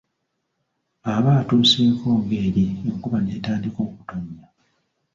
Aba atuuseeko ng’eri, enkuba n’entandika okutonnya.